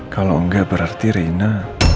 kalau enggak berarti reina